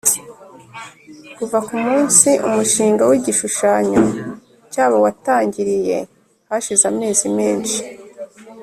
Kuva ku munsi umushinga w igishushanyo cyabo watangiriye hashize amezi menshi